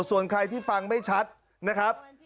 ส่วนใครที่ฟังไม่ชัดนะครับ